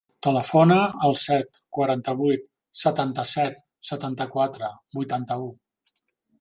Telefona al set, quaranta-vuit, setanta-set, setanta-quatre, vuitanta-u.